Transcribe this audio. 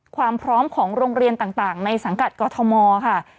ความพร้อมของโรงเรียนต่างในสังกัดกอทมค่ะ